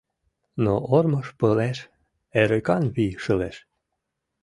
Но ормыж пылеш Эрыкан вий шылеш.